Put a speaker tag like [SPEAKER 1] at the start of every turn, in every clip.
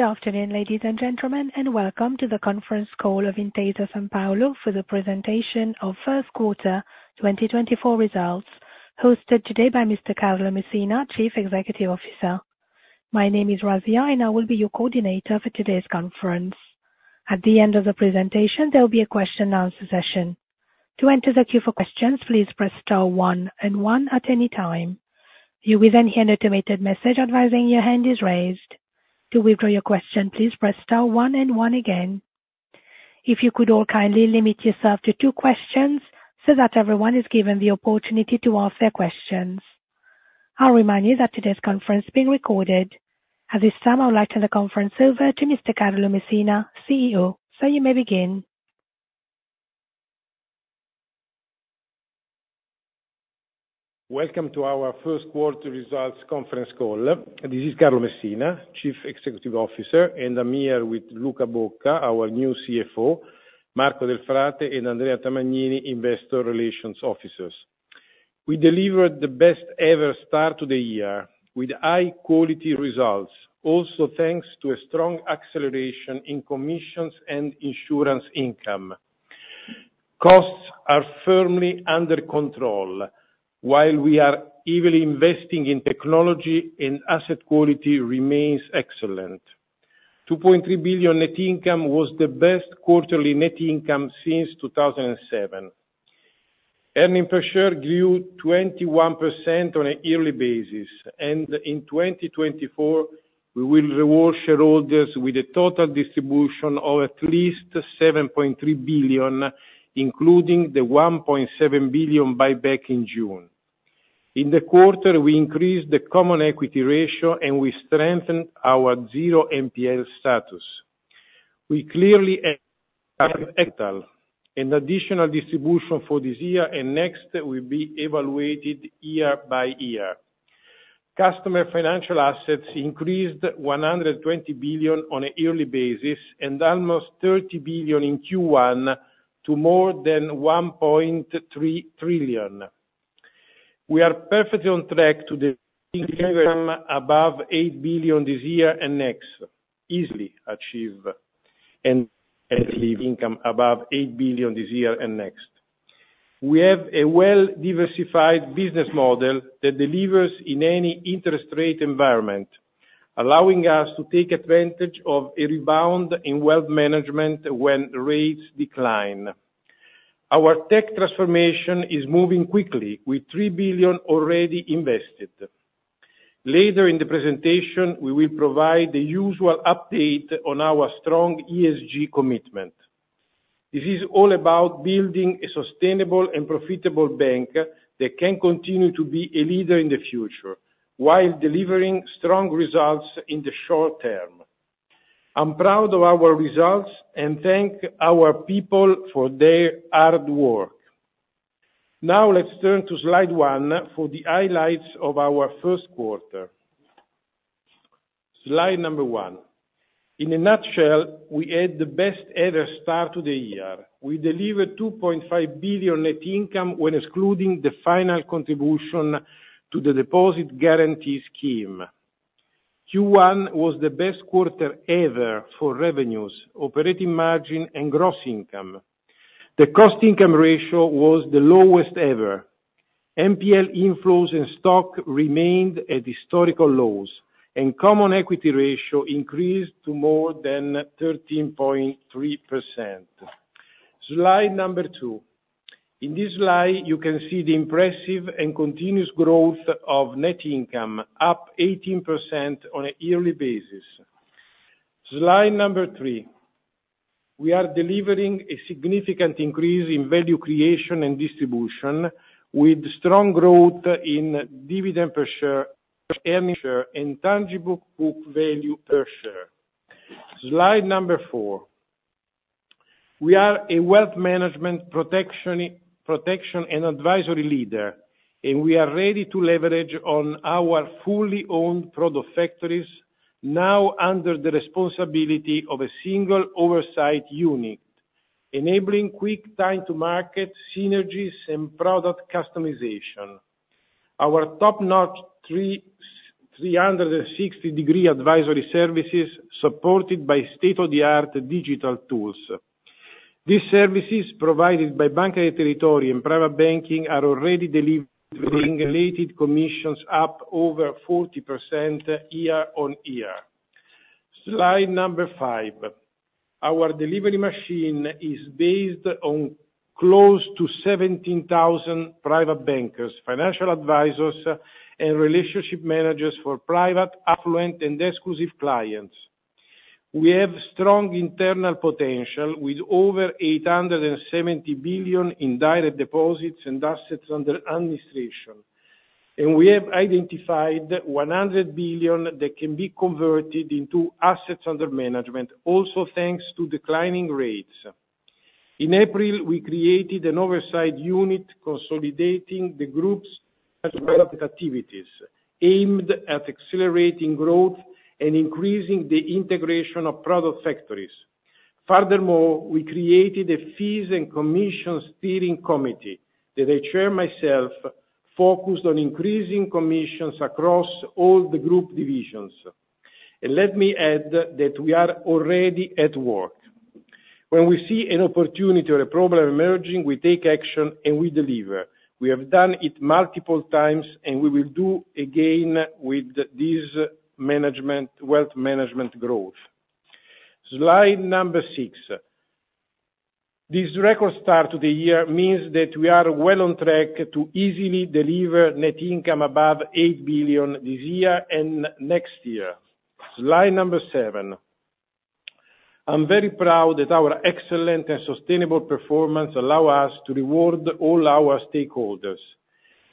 [SPEAKER 1] Good afternoon, ladies and gentlemen, and welcome to the conference call of Intesa Sanpaolo for the presentation of first quarter 2024 results, hosted today by Mr. Carlo Messina, Chief Executive Officer. My name is Razia, and I will be your coordinator for today's conference. At the end of the presentation, there will be a question-and-answer session. To enter the queue for questions, please press star one, and one at any time. If you will then hear an automated message advising your hand is raised. To withdraw your question, please press star one and one again. If you could all kindly limit yourself to two questions so that everyone is given the opportunity to ask their questions. I'll remind you that today's conference is being recorded. At this time, I'll like to turn the conference over to Mr. Carlo Messina, CEO, so you may begin.
[SPEAKER 2] Welcome to our first quarter results conference call. This is Carlo Messina, Chief Executive Officer, and I'm here with Luca Bocca, our new CFO, Marco Delfrate, and Andrea Tamagnini, Investor Relations Officers. We delivered the best-ever start to the year with high-quality results, also thanks to a strong acceleration in commissions and insurance income. Costs are firmly under control, while we are heavily investing in technology and asset quality remains excellent. 2.3 billion net income was the best quarterly net income since 2007. Earnings per share grew 21% on a yearly basis, and in 2024 we will reward shareholders with a total distribution of at least 7.3 billion, including the 1.7 billion buyback in June. In the quarter, we increased the common equity ratio and we strengthened our zero NPL status. We clearly have capital, an additional distribution for this year and next will be evaluated year by year. Customer financial assets increased 120 billion on a yearly basis and almost 30 billion in Q1 to more than 1.3 trillion. We are perfectly on track to deliver net income above 8 billion this year and next, easily achieve, and net interest income above 8 billion this year and next. We have a well-diversified business model that delivers in any interest rate environment, allowing us to take advantage of a rebound in wealth management when rates decline. Our tech transformation is moving quickly with 3 billion already invested. Later in the presentation, we will provide the usual update on our strong ESG commitment. This is all about building a sustainable and profitable bank that can continue to be a leader in the future, while delivering strong results in the short term. I'm proud of our results and thank our people for their hard work. Now let's turn to slide 1 for the highlights of our first quarter. Slide number 1. In a nutshell, we had the best-ever start to the year. We delivered 2.5 billion net income when excluding the final contribution to the deposit guarantee scheme. Q1 was the best quarter ever for revenues, operating margin, and gross income. The cost income ratio was the lowest ever. NPL inflows and stock remained at historical lows, and common equity ratio increased to more than 13.3%. Slide number 2. In this slide, you can see the impressive and continuous growth of net income, up 18% on a yearly basis. Slide number 3. We are delivering a significant increase in value creation and distribution, with strong growth in dividend per share, earnings per share, and tangible book value per share. Slide number 4. We are a wealth management protection and advisory leader, and we are ready to leverage on our fully owned product factories, now under the responsibility of a single oversight unit, enabling quick time-to-market synergies and product customization. Our top-notch 360-degree advisory services are supported by state-of-the-art digital tools. These services, provided by Banca dei Territori and private banking, are already delivering related commissions up over 40% year-on-year. Slide 5. Our delivery machine is based on close to 17,000 private bankers, financial advisors, and relationship managers for private, affluent, and exclusive clients. We have strong internal potential with over 870 billion in direct deposits and assets under administration, and we have identified 100 billion that can be converted into assets under management, also thanks to declining rates. In April, we created an oversight unit consolidating the group's management activities, aimed at accelerating growth and increasing the integration of product factories. Furthermore, we created a fees and commissions steering committee that I chair myself, focused on increasing commissions across all the group divisions. Let me add that we are already at work. When we see an opportunity or a problem emerging, we take action and we deliver. We have done it multiple times, and we will do again with this management wealth management growth. Slide number 6. This record start to the year means that we are well on track to easily deliver net income above 8 billion this year and next year. Slide number 7. I'm very proud that our excellent and sustainable performance allows us to reward all our stakeholders.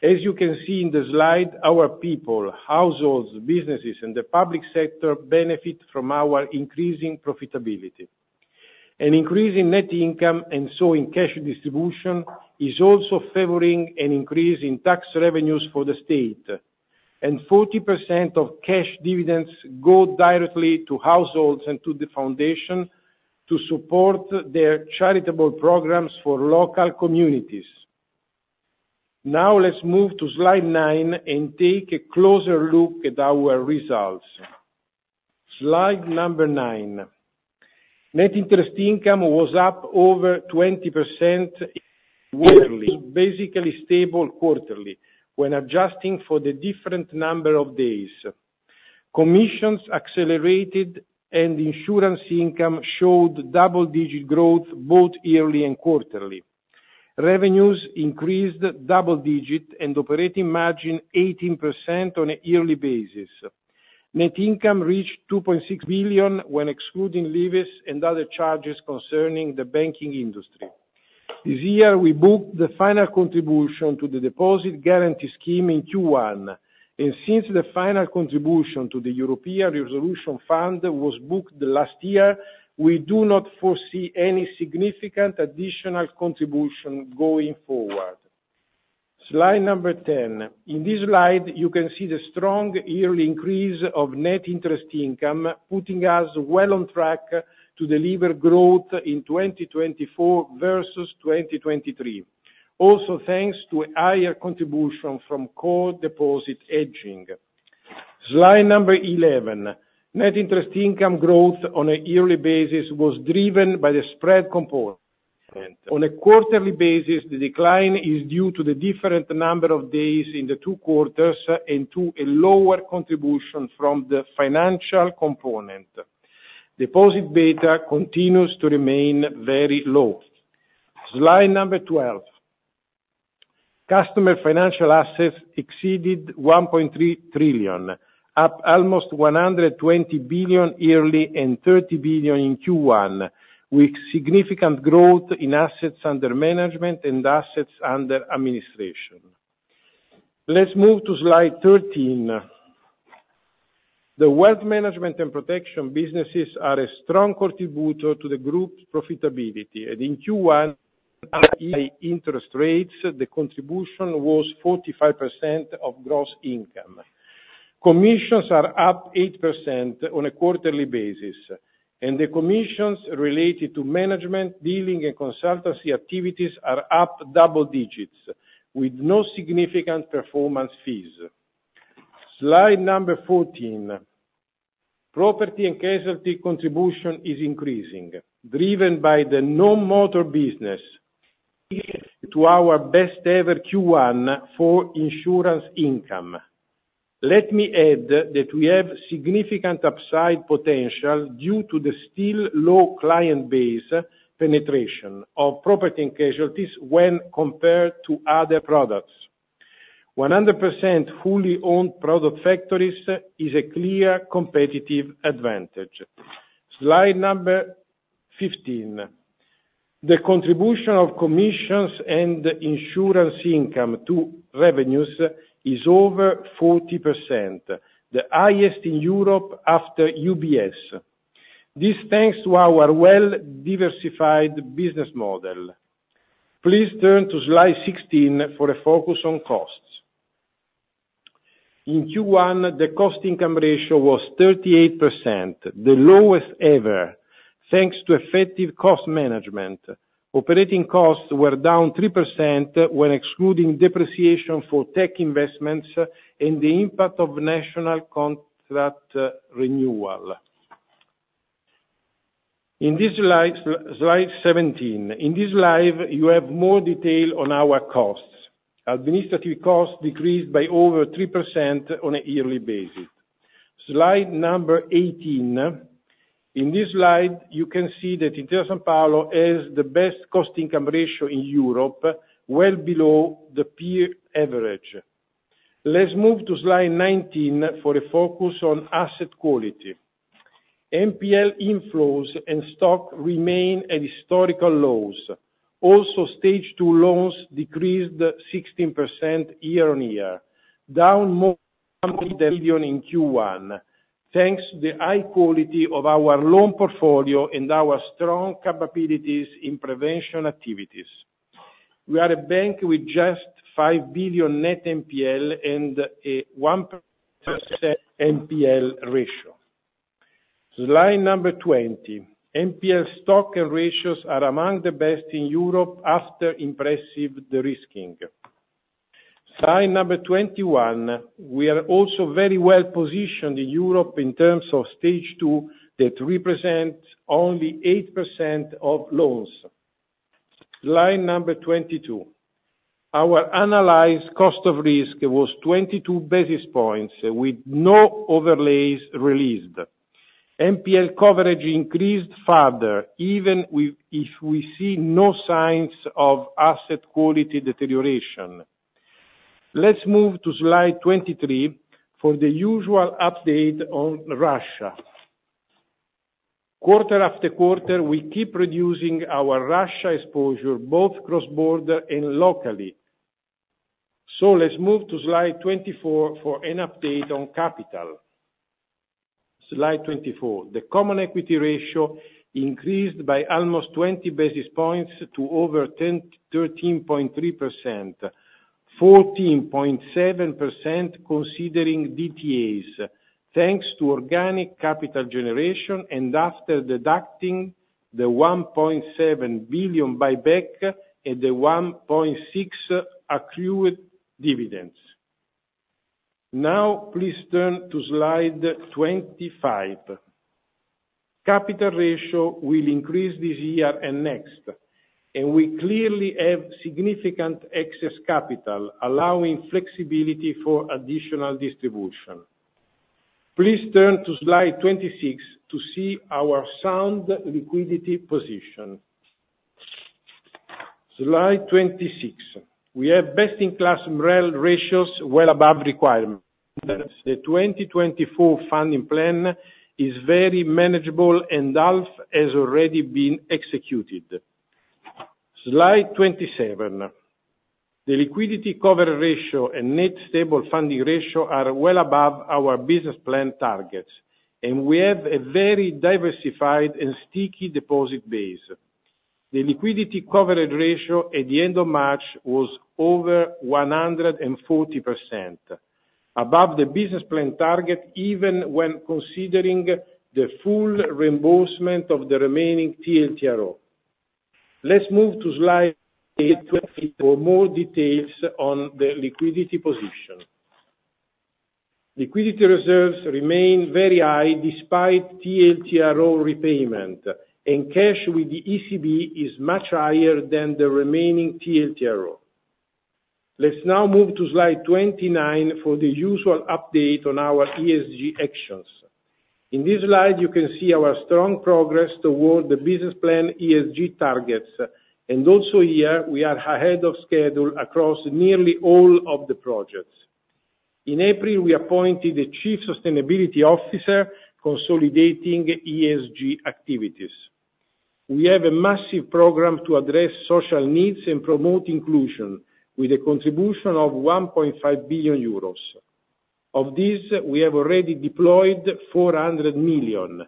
[SPEAKER 2] As you can see in the slide, our people, households, businesses, and the public sector benefit from our increasing profitability. An increase in net income and so in cash distribution is also favoring an increase in tax revenues for the state, and 40% of cash dividends go directly to households and to the foundation to support their charitable programs for local communities. Now let's move to slide 9 and take a closer look at our results. Slide number 9. Net interest income was up over 20% yearly. It was basically stable quarterly when adjusting for the different number of days. Commissions accelerated, and insurance income showed double-digit growth both yearly and quarterly. Revenues increased double-digit and operating margin 18% on a yearly basis. Net income reached 2.6 billion when excluding levies and other charges concerning the banking industry. This year we booked the final contribution to the Deposit Guarantee Scheme in Q1, and since the final contribution to the European Resolution Fund was booked last year, we do not foresee any significant additional contribution going forward. Slide number 10. In this slide, you can see the strong yearly increase of net interest income, putting us well on track to deliver growth in 2024 versus 2023, also thanks to higher contribution from core deposit hedging. Slide number 11. Net interest income growth on a yearly basis was driven by the spread component. On a quarterly basis, the decline is due to the different number of days in the two quarters and to a lower contribution from the financial component. Deposit beta continues to remain very low. Slide number 12. Customer financial assets exceeded 1.3 trillion, up almost 120 billion yearly and 30 billion in Q1, with significant growth in assets under management and assets under administration. Let's move to Slide 13. The wealth management and protection businesses are a strong contributor to the group's profitability, and in Q1 at high interest rates, the contribution was 45% of gross income. Commissions are up 8% on a quarterly basis, and the commissions related to management, dealing, and consultancy activities are up double digits, with no significant performance fees. Slide number 14. Property and Casualty contribution is increasing, driven by the non-motor business, leading to our best-ever Q1 for insurance income. Let me add that we have significant upside potential due to the still low client base penetration of Property and Casualty when compared to other products. 100% fully owned product factories is a clear competitive advantage. Slide number 15. The contribution of commissions and insurance income to revenues is over 40%, the highest in Europe after UBS. This is thanks to our well-diversified business model. Please turn to Slide 16 for a focus on costs. In Q1, the cost income ratio was 38%, the lowest ever, thanks to effective cost management. Operating costs were down 3% when excluding depreciation for tech investments and the impact of national contract renewal. In this Slide 17. In this slide, you have more detail on our costs. Administrative costs decreased by over 3% on a yearly basis. Slide number 18. In this slide, you can see that Intesa Sanpaolo has the best cost income ratio in Europe, well below the peer average. Let's move to Slide 19 for a focus on asset quality. NPL inflows and stock remain at historical lows. Also, stage II loans decreased 16% year-on-year, down more than 1 trillion in Q1, thanks to the high quality of our loan portfolio and our strong capabilities in prevention activities. We are a bank with just 5 billion net NPL and a 1% NPL ratio. Slide number 20. NPL stock and ratios are among the best in Europe after impressive derisking. Slide number 21. We are also very well positioned in Europe in terms of stage II that represents only 8% of loans. Slide number 22. Our analyzed cost of risk was 22 basis points, with no overlays released. NPL coverage increased further, even if we see no signs of asset quality deterioration. Let's move to Slide 23 for the usual update on Russia. quarter-after-quarter, we keep reducing our Russia exposure, both cross-border and locally. So let's move to Slide 24 for an update on capital. Slide 24. The common equity ratio increased by almost 20 basis points to over 13.3%, 14.7% considering DTAs, thanks to organic capital generation and after deducting the 1.7 billion buyback and the 1.6 billion accrued dividends. Now please turn to Slide 25. Capital ratio will increase this year and next, and we clearly have significant excess capital, allowing flexibility for additional distribution. Please turn to slide 26 to see our sound liquidity position. Slide 26. We have best-in-class MREL ratios well above requirements. The 2024 funding plan is very manageable and half has already been executed. Slide 27. The liquidity coverage ratio and net stable funding ratio are well above our business plan targets, and we have a very diversified and sticky deposit base. The liquidity coverage ratio at the end of March was over 140%, above the business plan target even when considering the full reimbursement of the remaining TLTRO. Let's move to Slide 28 for more details on the liquidity position. Liquidity reserves remain very high despite TLTRO repayment, and cash with the ECB is much higher than the remaining TLTRO. Let's now move to Slide 29 for the usual update on our ESG actions. In this slide, you can see our strong progress toward the business plan ESG targets, and also here we are ahead of schedule across nearly all of the projects. In April, we appointed a Chief Sustainability Officer consolidating ESG activities. We have a massive program to address social needs and promote inclusion, with a contribution of 1.5 billion euros. Of this, we have already deployed 400 million.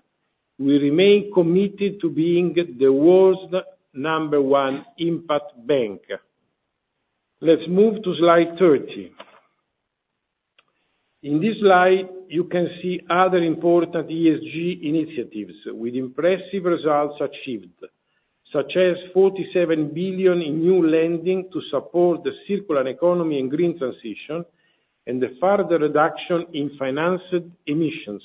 [SPEAKER 2] We remain committed to being the world's number one impact bank. Let's move to slide 30. In this slide, you can see other important ESG initiatives with impressive results achieved, such as 47 billion in new lending to support the circular economy and green transition, and the further reduction in financed emissions.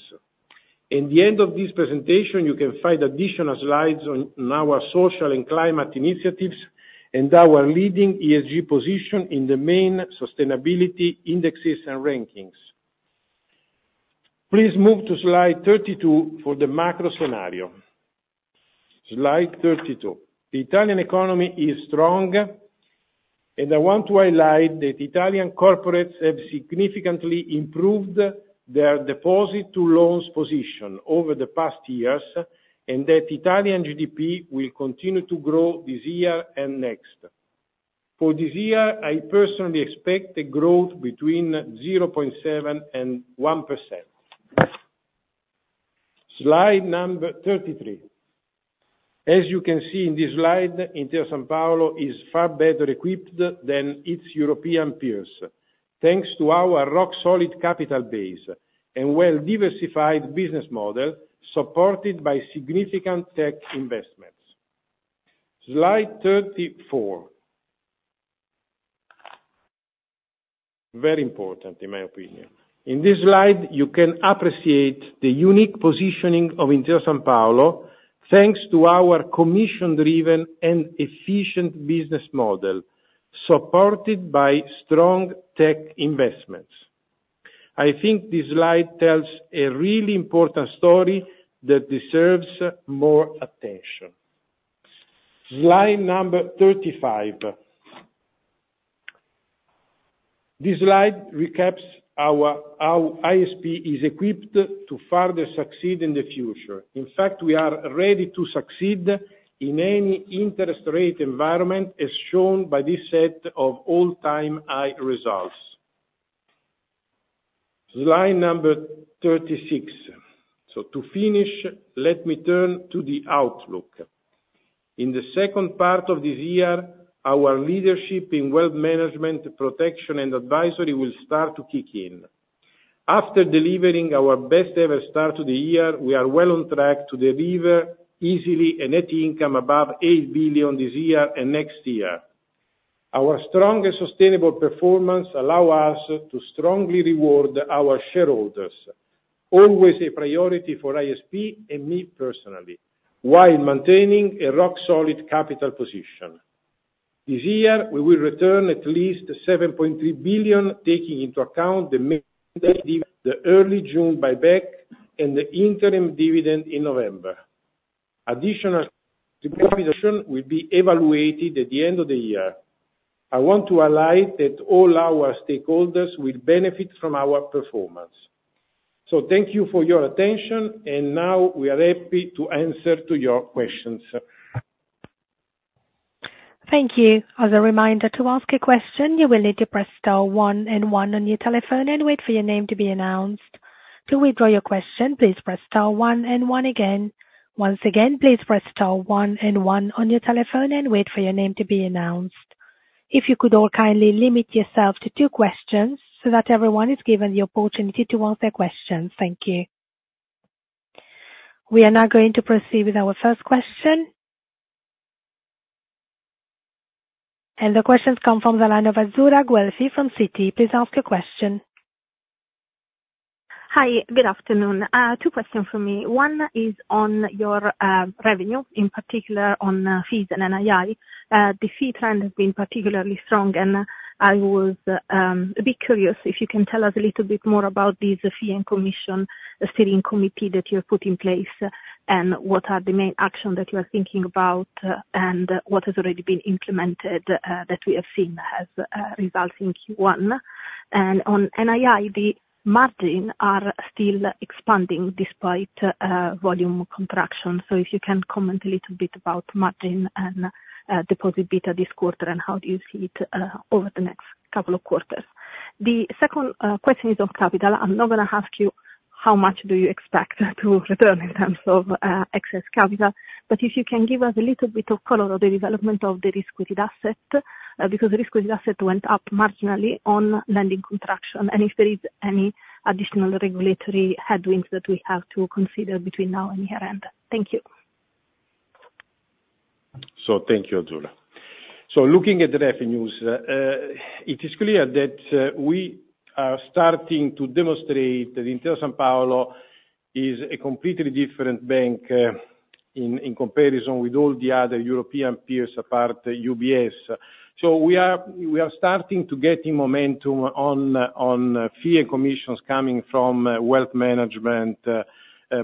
[SPEAKER 2] At the end of this presentation, you can find additional slides on our social and climate initiatives and our leading ESG position in the main sustainability indexes and rankings. Please move to Slide 32 for the macro scenario. Slide 32. The Italian economy is strong, and I want to highlight that Italian corporates have significantly improved their deposit-to-loans position over the past years and that Italian GDP will continue to grow this year and next. For this year, I personally expect a growth between 0.7%-1%. Slide number 33. As you can see in this slide, Intesa Sanpaolo is far better equipped than its European peers, thanks to our rock-solid capital base and well-diversified business model supported by significant tech investments. Slide 34. Very important, in my opinion. In this slide, you can appreciate the unique positioning of Intesa Sanpaolo, thanks to our commission-driven and efficient business model supported by strong tech investments. I think this slide tells a really important story that deserves more attention. Slide number 35. This slide recaps our ISP is equipped to further succeed in the future. In fact, we are ready to succeed in any interest rate environment, as shown by this set of all-time high results. Slide number 36. So, to finish, let me turn to the outlook. In the second part of this year, our leadership in wealth management, protection, and advisory will start to kick in. After delivering our best-ever start to the year, we are well on track to deliver easily a net income above 8 billion this year and next year. Our strong and sustainable performance allows us to strongly reward our shareholders, always a priority for ISP and me personally, while maintaining a rock-solid capital position. This year, we will return at least 7.3 billion, taking into account the mandated early June buyback and the interim dividend in November. Additional contribution will be evaluated at the end of the year. I want to highlight that all our stakeholders will benefit from our performance. So, thank you for your attention, and now we are happy to answer your questions.
[SPEAKER 1] Thank you. As a reminder, to ask a question, you will need to press star one and one on your telephone and wait for your name to be announced. To withdraw your question, please press star one and one again. Once again, please press star one and one on your telephone and wait for your name to be announced. If you could all kindly limit yourself to two questions so that everyone is given the opportunity to ask their questions. Thank you. We are now going to proceed with our first question. The question comes from Azzurra Guelfi from Citi. Please ask your question.
[SPEAKER 3] Hi. Good afternoon. Two questions for me. One is on your revenue, in particular on fees and NII. The fee trend has been particularly strong, and I was a bit curious if you can tell us a little bit more about these fee and commission steering committees that you have put in place and what are the main actions that you are thinking about and what has already been implemented that we have seen has resulted in Q1. And on NII, the margins are still expanding despite volume contraction. So, if you can comment a little bit about margin and deposit beta this quarter and how do you see it over the next couple of quarters? The second question is on capital. I'm not going to ask you how much do you expect to return in terms of excess capital, but if you can give us a little bit of color on the development of the risk-weighted asset, because the risk-weighted asset went up marginally on lending contraction, and if there is any additional regulatory headwinds that we have to consider between now and year-end. Thank you.
[SPEAKER 4] So, thank you, Azzurra. So, looking at the revenues, it is clear that we are starting to demonstrate that Intesa Sanpaolo is a completely different bank, in comparison with all the other European peers, apart UBS. So, we are starting to get in momentum on fee and commissions coming from wealth management,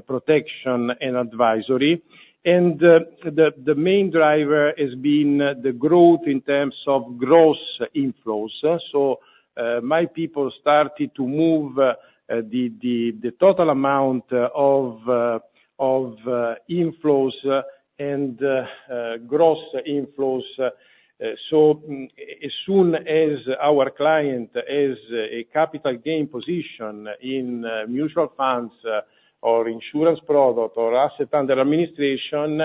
[SPEAKER 4] protection, and advisory. And, the main driver has been the growth in terms of gross inflows. My people started to move the total amount of inflows and gross inflows. So, as soon as our client has a capital gain position in mutual funds or insurance product or asset under administration,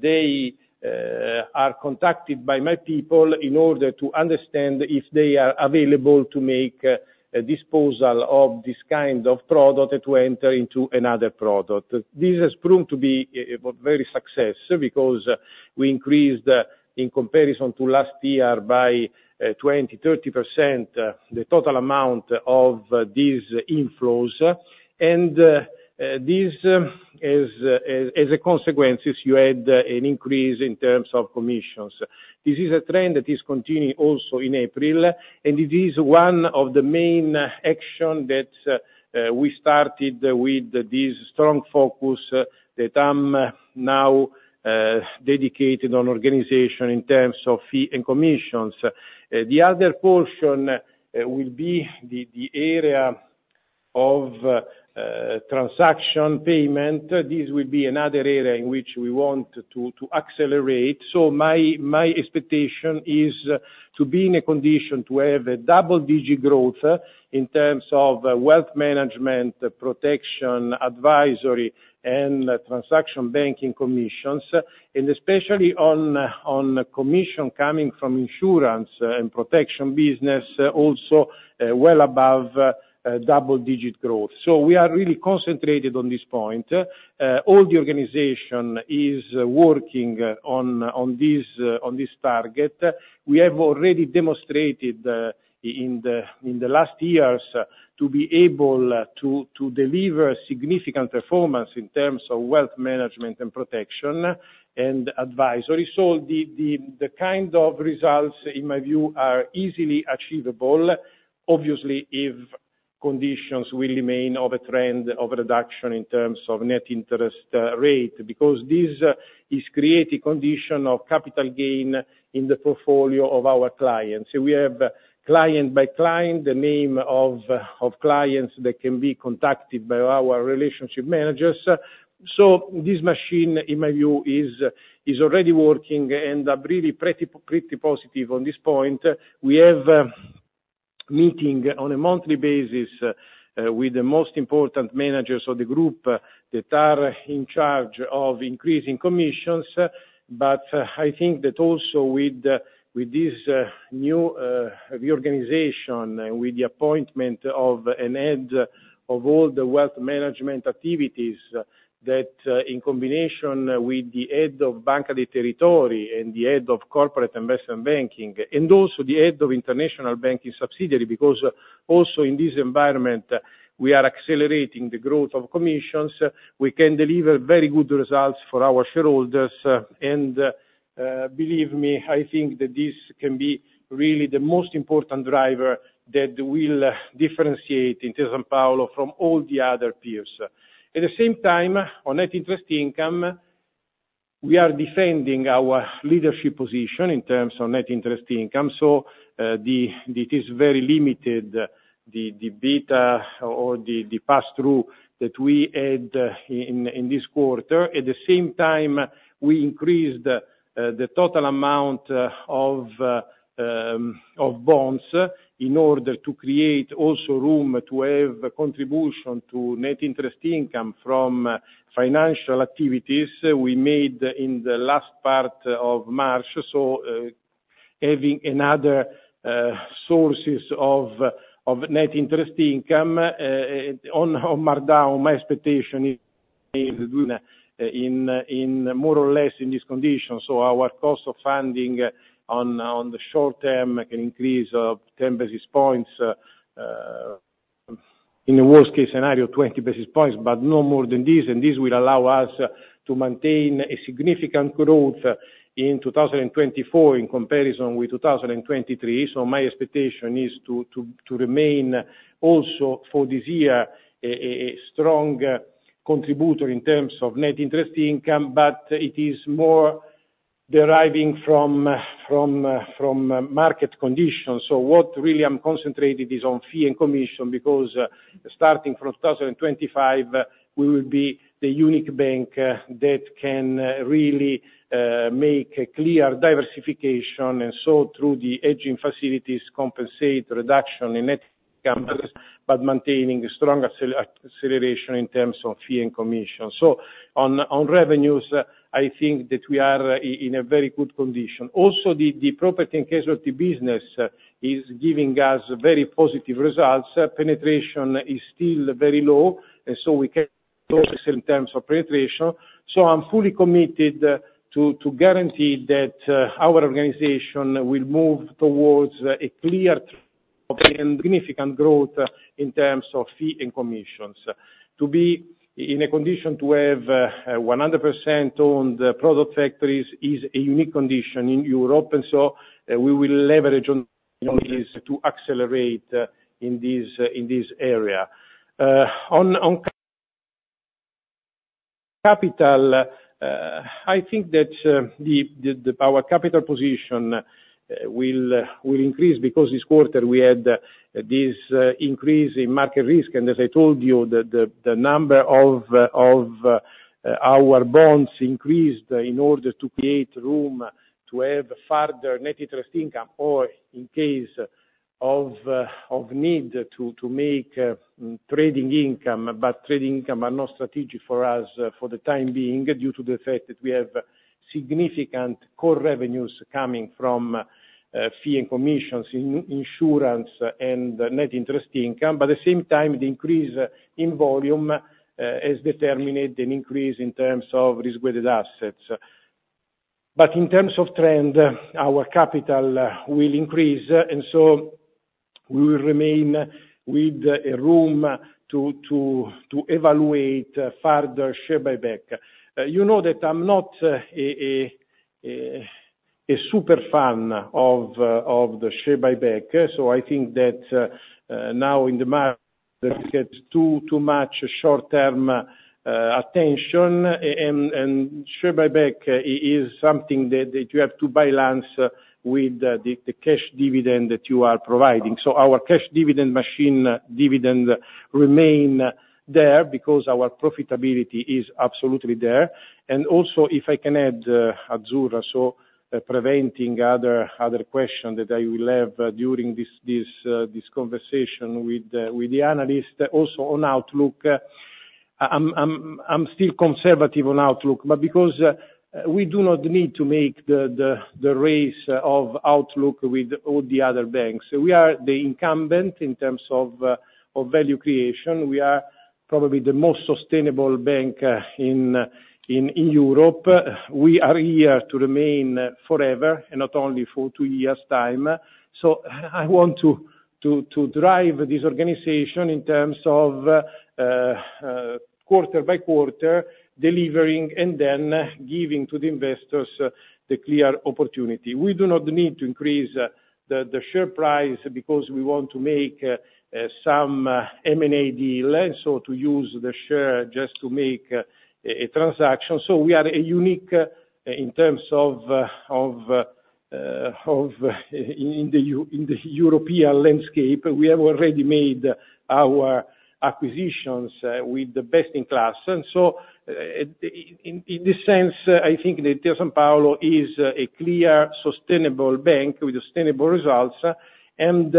[SPEAKER 4] they are contacted by my people in order to understand if they are available to make a disposal of this kind of product to enter into another product. This has proven to be a very success because we increased, in comparison to last year, by 20%-30% the total amount of these inflows. And this, as a consequence, you had an increase in terms of commissions. This is a trend that is continuing also in April, and it is one of the main actions that we started with this strong focus that I'm now dedicated on organization in terms of fee and commissions. The other portion will be the area of transaction payment. This will be another area in which we want to accelerate. So, my expectation is to be in a condition to have a double-digit growth in terms of wealth management, protection, advisory, and transaction banking commissions, and especially on commission coming from insurance and protection business, also well above double-digit growth. So, we are really concentrated on this point. All the organization is working on this target. We have already demonstrated, in the last years, to be able to deliver significant performance in terms of wealth management and protection and advisory. So, the kind of results, in my view, are easily achievable, obviously, if conditions will remain of a trend of reduction in terms of net interest rate, because this is creating a condition of capital gain in the portfolio of our clients. We have client-by-client the name of clients that can be contacted by our relationship managers. So, this machine, in my view, is already working, and I'm really pretty positive on this point. We have meetings on a monthly basis, with the most important managers of the group that are in charge of increasing commissions. I think that also with this new reorganization and with the appointment of a head of all the wealth management activities that, in combination with the Head of Banca dei Territori and the Head of Corporate Investment Banking, and also the head of International Banking Subsidiary, because also in this environment we are accelerating the growth of commissions, we can deliver very good results for our shareholders. Believe me, I think that this can be really the most important driver that will differentiate Intesa Sanpaolo from all the other peers. At the same time, on net interest income, we are defending our leadership position in terms of net interest income. It is very limited, the beta or the pass-through that we had in this quarter. At the same time, we increased the total amount of bonds in order to create also room to have contribution to net interest income from financial activities we made in the last part of March. So, having another sources of net interest income on markdown, my expectation is to in more or less this condition. So, our cost of funding on the short term can increase of 10 basis points, in the worst-case scenario, 20 basis points, but no more than this. And this will allow us to maintain a significant growth in 2024 in comparison with 2023. So, my expectation is to remain also for this year a strong contributor in terms of net interest income, but it is more deriving from market conditions. So, what really I'm concentrated is on fee and commission because, starting from 2025, we will be the unique bank that can really, make clear diversification, and so through the hedging facilities, compensate reduction in net income, but maintaining strong acceleration in terms of fee and commissions. So, on on revenues, I think that we are in a very good condition. Also, the the property and casualty business is giving us very positive results. Penetration is still very low, and so we can also see in terms of penetration. So, I'm fully committed to to guarantee that our organization will move towards a clear trend of significant growth in terms of fee and commissions. To be in a condition to have 100%-owned product factories is a unique condition in Europe, and so we will leverage on this to accelerate in this in this area. On capital, I think that our capital position will increase because this quarter we had this increase in market risk. And as I told you, the number of our bonds increased in order to create room to have further net interest income or in case of need to make trading income, but trading income are not strategic for us for the time being due to the fact that we have significant core revenues coming from fee and commissions, insurance, and net interest income. But at the same time, the increase in volume has determined an increase in terms of risk-weighted assets. But in terms of trend, our capital will increase, and so we will remain with a room to evaluate further share buyback. You know that I'm not a super fan of the share buyback, so I think that, now in the market, we get too much short-term attention. And share buyback is something that you have to balance with the cash dividend that you are providing. So, our cash dividend machine dividend remains there because our profitability is absolutely there. And also, if I can add, Azzurra, so, preventing other questions that I will have during this conversation with the analyst, also on Outlook, I'm still conservative on Outlook, but because, we do not need to make the race of Outlook with all the other banks. We are the incumbent in terms of value creation. We are probably the most sustainable bank in Europe. We are here to remain forever, and not only for two years' time. So, I want to drive this organization in terms of quarter-by-quarter delivering and then giving to the investors the clear opportunity. We do not need to increase the share price because we want to make some M&A deal, and so to use the share just to make a transaction. So, we are unique in terms of in the European landscape. We have already made our acquisitions with the best in class. And so, in this sense, I think that Intesa Sanpaolo is a clear, sustainable bank with sustainable results. And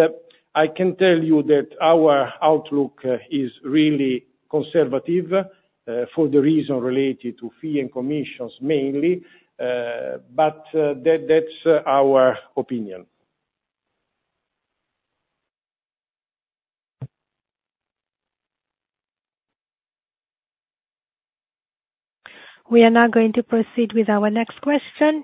[SPEAKER 4] I can tell you that our outlook is really conservative, for the reason related to fees and commissions mainly. But that's our opinion.
[SPEAKER 1] We are now going to proceed with our next question.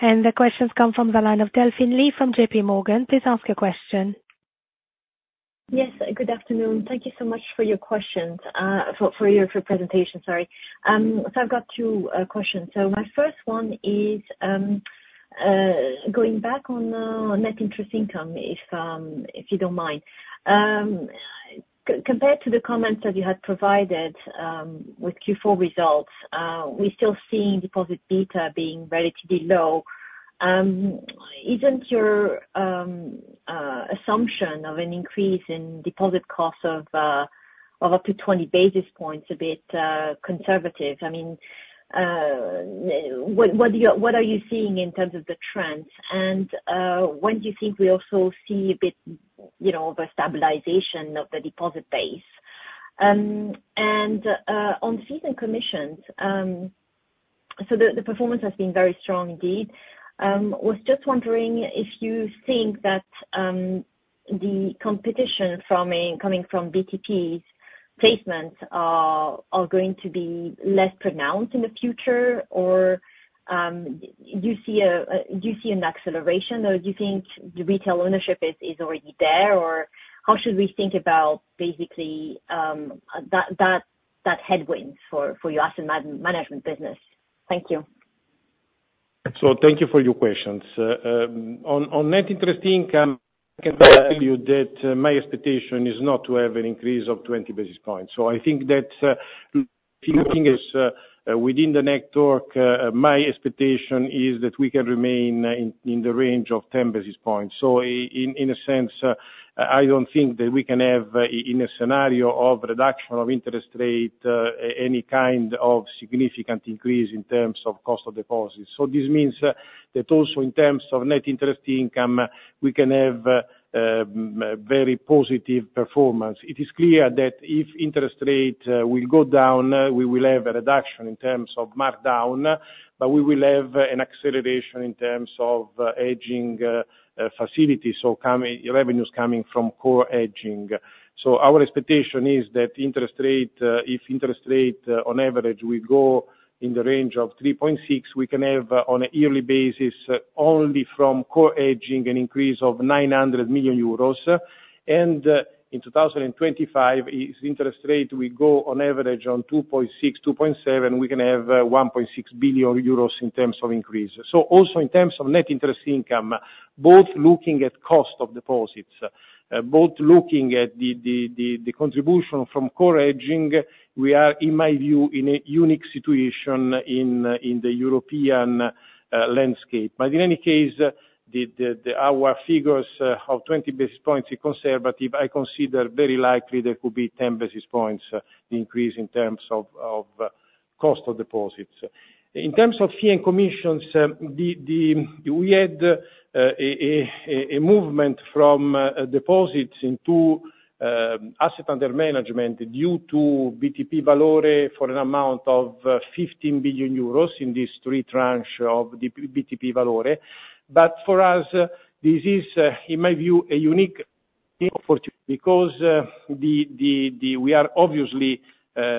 [SPEAKER 1] The questions come from Delphine Lee from J.P. Morgan. Please ask your question.
[SPEAKER 5] Yes. Good afternoon. Thank you so much for your presentation, sorry. So I've got two questions. So, my first one is, going back on net interest income, if you don't mind. Compared to the comments that you had provided with Q4 results, we're still seeing deposit beta being relatively low. Isn't your assumption of an increase in deposit costs of up to 20 basis points a bit conservative? I mean, what are you seeing in terms of the trends? And, when do you think we also see a bit, you know, of a stabilization of the deposit base? And, on fees and commissions, so the performance has been very strong indeed. I was just wondering if you think that the competition from coming from BTPs placements are going to be less pronounced in the future, or do you see an acceleration, or do you think the retail ownership is already there, or how should we think about basically that headwind for your asset management business? Thank you.
[SPEAKER 4] So, thank you for your questions. On net interest income, I can tell you that my expectation is not to have an increase of 20 basis points. So, I think that if you looking at within the network, my expectation is that we can remain in the range of 10 basis points. So, in a sense, I don't think that we can have in a scenario of reduction of interest rate, any kind of significant increase in terms of cost of deposits. So, this means that also in terms of net interest income, we can have very positive performance. It is clear that if interest rate will go down, we will have a reduction in terms of margin, but we will have an acceleration in terms of hedging facilities, so revenues coming from core hedging. So, our expectation is that interest rate, if interest rate on average will go in the range of 3.6, we can have on a yearly basis only from core hedging an increase of 900 million euros. And in 2025, if interest rate will go on average on 2.6-2.7, we can have 1.6 billion euros in terms of increase. So, also in terms of net interest income, both looking at cost of deposits, both looking at the contribution from core hedging, we are, in my view, in a unique situation in the European landscape. But in any case, our figures of 20 basis points is conservative. I consider very likely there could be 10 basis points increase in terms of cost of deposits. In terms of fees and commissions, we had a movement from deposits into asset under management due to BTP Valore for an amount of 15 billion euros in this three tranche of BTP Valore. But for us, this is, in my view, a unique opportunity because we are obviously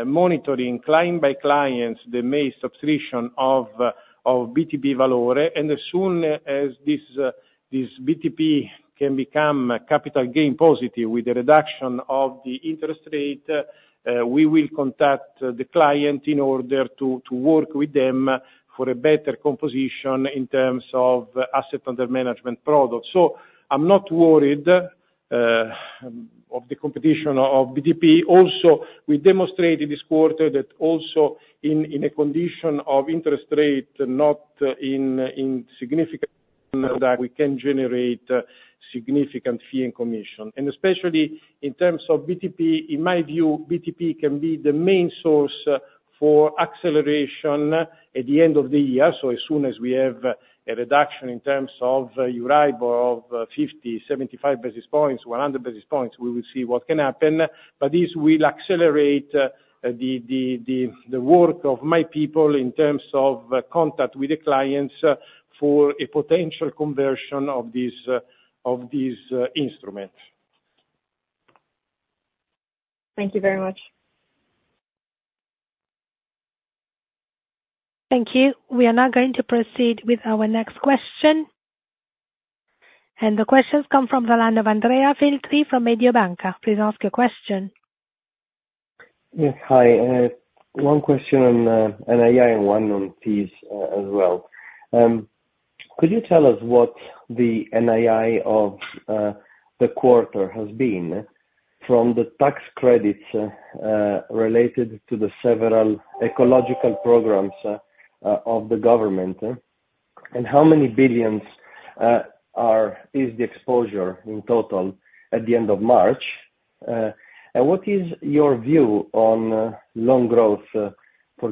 [SPEAKER 4] monitoring client by client the mass subscription of BTP Valore. As soon as this BTP can become capital gain positive with the reduction of the interest rate, we will contact the client in order to work with them for a better composition in terms of asset under management products. So, I'm not worried of the competition of BTP. Also, we demonstrated this quarter that also in a condition of interest rate not in significant reduction, that we can generate significant fee and commission. And especially in terms of BTP, in my view, BTP can be the main source for acceleration at the end of the year. So, as soon as we have a reduction in terms of Euribor of 50, 75 basis points-100 basis points, we will see what can happen. But this will accelerate the work of my people in terms of contact with the clients for a potential conversion of this instrument.
[SPEAKER 5] Thank you very much.
[SPEAKER 1] Thank you. We are now going to proceed with our next question. And the questions come from the line of Andrea Filtri from Mediobanca. Please ask your question.
[SPEAKER 6] Hi. One question on NII and one on fees, as well. Could you tell us what the NII of the quarter has been from the tax credits related to the several ecological programs of the government? And how many billions is the exposure in total at the end of March? And what is your view on loan growth for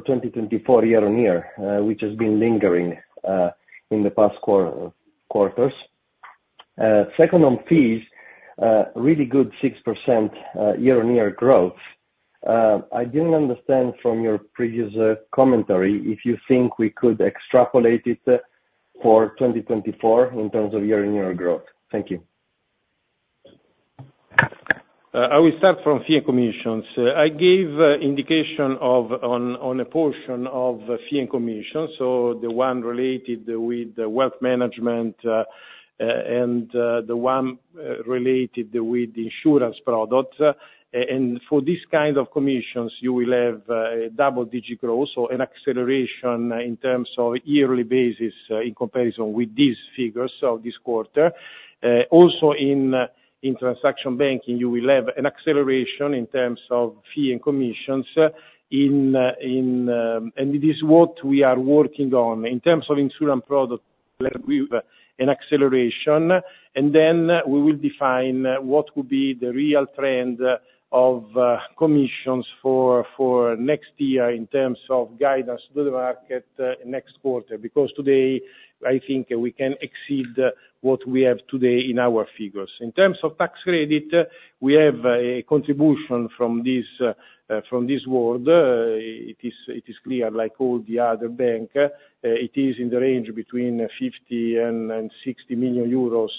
[SPEAKER 6] 2024 year-on-year, which has been lagging in the past quarters? Second, on fees. Really good 6% year-on-year growth. I didn't understand from your previous commentary if you think we could extrapolate it for 2024 in terms of year-on-year growth. Thank you.
[SPEAKER 4] I will start from fee and commissions. I gave indication on a portion of fee and commissions, so the one related with wealth management and the one related with insurance products. And for this kind of commissions, you will have a double-digit growth, so an acceleration in terms of yearly basis in comparison with these figures of this quarter. Also in transaction banking, you will have an acceleration in terms of fee and commissions and this is what we are working on. In terms of insurance products, we have an acceleration, and then we will define what would be the real trend of commissions for next year in terms of guidance to the market next quarter because today, I think, we can exceed what we have today in our figures. In terms of tax credit, we have a contribution from this world. It is clear, like all the other banks, it is in the range between 50 million and 60 million euros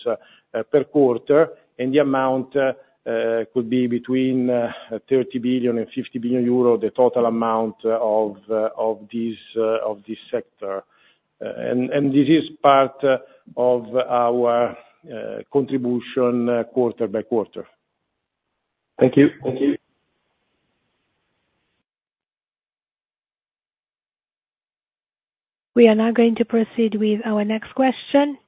[SPEAKER 4] per quarter. And the amount could be between 30 billion and 50 billion euro, the total amount of this sector, and this is part of our contribution quarter-by-quarter.
[SPEAKER 6] Thank you.
[SPEAKER 4] Thank you.
[SPEAKER 1] We are now going to proceed with our next question.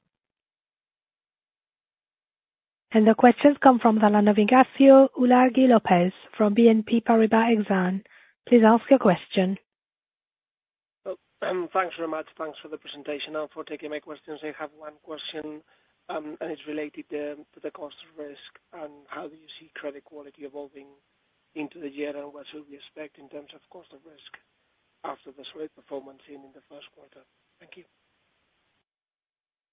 [SPEAKER 1] The questions come from Ignacio Ulargui from BNP Paribas. Please ask your question.
[SPEAKER 7] Thanks very much. Thanks for the presentation and for taking my questions. I have one question, and it's related to the cost of risk and how do you see credit quality evolving into the year and what should we expect in terms of cost of risk after the solid performance in the first quarter? Thank you.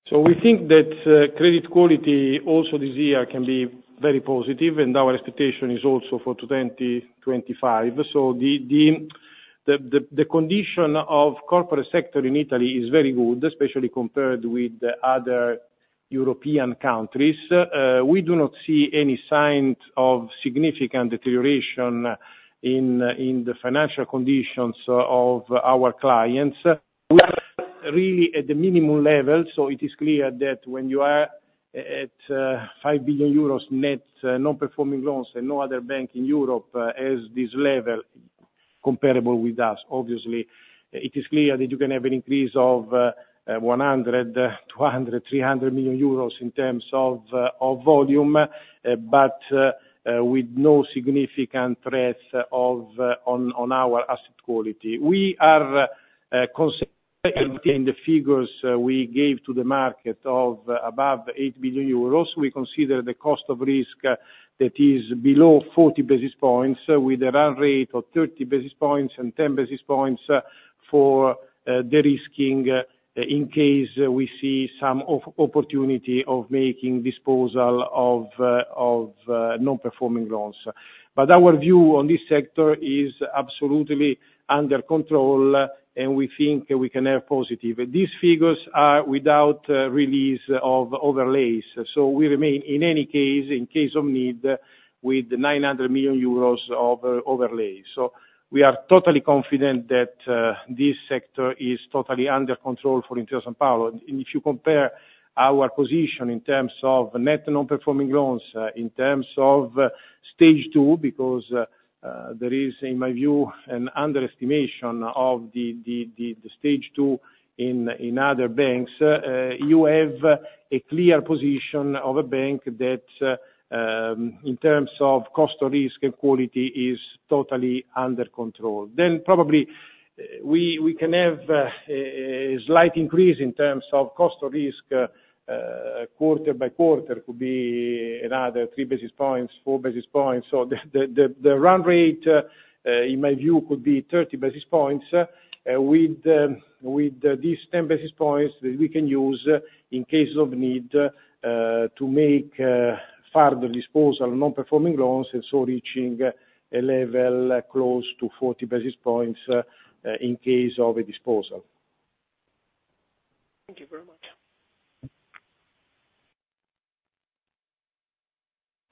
[SPEAKER 4] So, we think that credit quality also this year can be very positive, and our expectation is also for 2025. So, the condition of corporate sector in Italy is very good, especially compared with other European countries. We do not see any signs of significant deterioration in the financial conditions of our clients. We are really at the minimum level, so it is clear that when you are at 5 billion euros net non-performing loans and no other bank in Europe has this level comparable with us, obviously, it is clear that you can have an increase of 100 million, 200 million, 300 million euros in terms of volume, but with no significant threat to our asset quality. We are considering in the figures we gave to the market of above 8 billion euros, we consider the cost of risk that is below 40 basis points with a run rate of 30 basis points and 10 basis points for derisking, in case we see some opportunity of making disposal of non-performing loans. But our view on this sector is absolutely under control, and we think we can have positive. These figures are without release of overlays. So, we remain, in any case, in case of need, with 900 million euros of overlays. So, we are totally confident that this sector is totally under control for Intesa Sanpaolo. And if you compare our position in terms of net non-performing loans, in terms of stage two, because there is, in my view, an underestimation of the stage two in other banks, you have a clear position of a bank that, in terms of cost of risk and quality, is totally under control. Then probably we can have a slight increase in terms of cost of risk, quarter-by-quarter. It could be another three basis points, four basis points. So, the run rate, in my view, could be 30 basis points, with these 10 basis points that we can use in case of need, to make further disposal of non-performing loans and so reaching a level close to 40 basis points, in case of a disposal.
[SPEAKER 7] Thank you very much.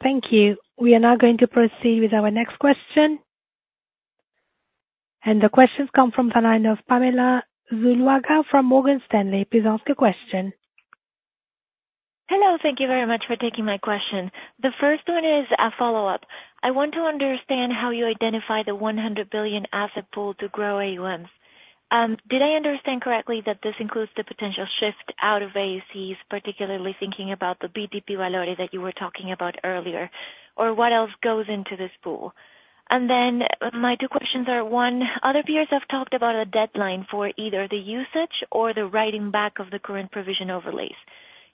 [SPEAKER 1] Thank you. We are now going to proceed with our next question. And the question comes from Pamela Zuluaga from Morgan Stanley. Please ask your question.
[SPEAKER 8] Hello. Thank you very much for taking my question. The first one is a follow-up. I want to understand how you identify the 100 billion asset pool to grow AUMs. Did I understand correctly that this includes the potential shift out of AuAs, particularly thinking about the BTP Valore that you were talking about earlier, or what else goes into this pool? Then my two questions are, one, other peers have talked about a deadline for either the usage or the writing back of the current provision overlays.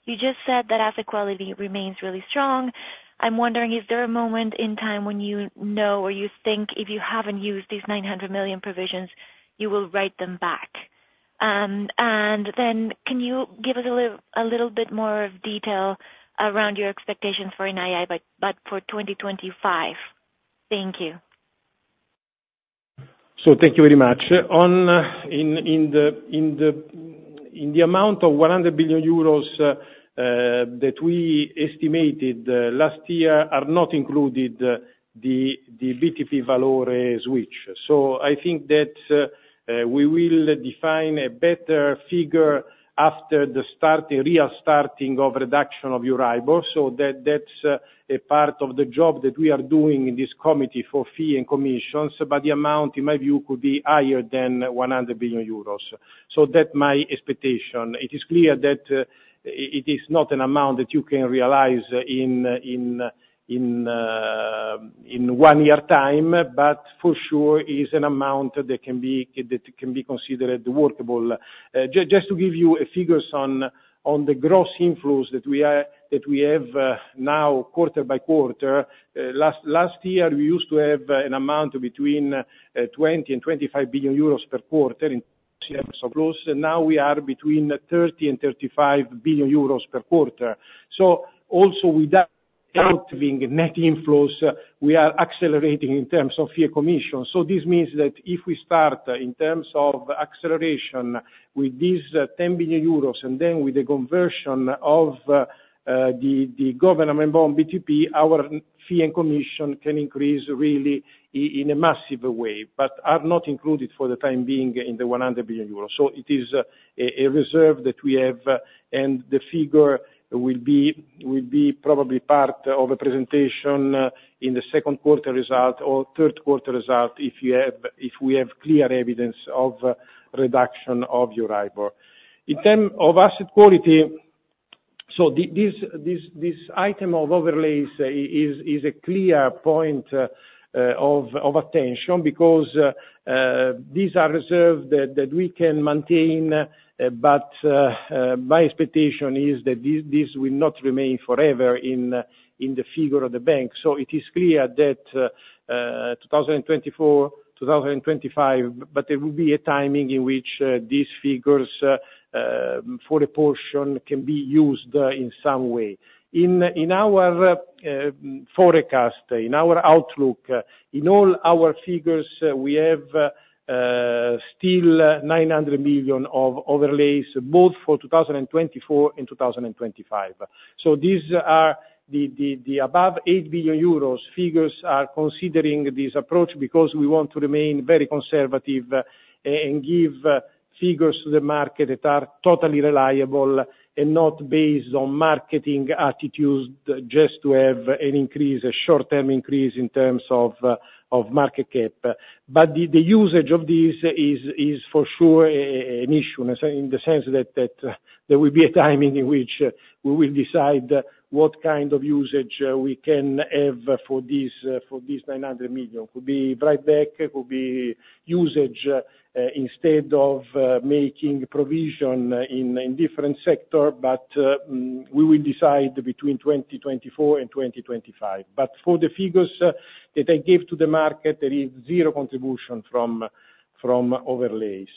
[SPEAKER 8] You just said that asset quality remains really strong. I'm wondering, is there a moment in time when you know or you think if you haven't used these 900 million provisions, you will write them back? And then can you give us a little bit more of detail around your expectations for NII but for 2025? Thank you.
[SPEAKER 4] So, thank you very much. On the amount of 100 billion euros that we estimated last year are not included the BTP Valore switch. So, I think that we will define a better figure after the real starting of the reduction of Euribor. So, that's a part of the job that we are doing in this committee for fees and commissions, but the amount, in my view, could be higher than 100 billion euros. So, that's my expectation. It is clear that it is not an amount that you can realize in one year time, but for sure is an amount that can be considered workable. Just to give you figures on the gross inflows that we have now quarter-by-quarter, last year, we used to have an amount between 20 billion and 25 billion euros per quarter in terms of gross. Now we are between 30 billion and 35 billion euros per quarter. So, also without having net inflows, we are accelerating in terms of fees and commissions. So, this means that if we start in terms of acceleration with these 10 billion euros and then with the conversion of the government bond BTP, our fee and commission can increase really in a massive way but are not included for the time being in the 100 billion euros. So, it is a reserve that we have, and the figure will be probably part of a presentation in the second quarter result or third quarter result if we have clear evidence of reduction of Euribor. In terms of asset quality, so this item of overlays is a clear point of attention because these are reserves that we can maintain, but my expectation is that this will not remain forever in the figure of the bank. So, it is clear that 2024, 2025, but there will be a timing in which these figures, for a portion can be used in some way. In our forecast, in our outlook, in all our figures, we have still 900 million of overlays, both for 2024 and 2025. So, these are the above 8 billion euros figures are considering this approach because we want to remain very conservative and give figures to the market that are totally reliable and not based on marketing attitudes just to have an increase, a short-term increase in terms of market cap. But the usage of this is for sure an issue in the sense that there will be a timing in which we will decide what kind of usage we can have for these 900 million. It could be write-back, it could be usage, instead of making provisions in different sectors, but we will decide between 2024 and 2025. But for the figures that I gave to the market, there is zero contribution from overlays.